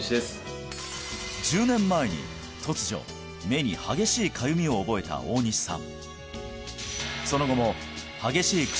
１０年前に突如目に激しいかゆみを覚えた大西さん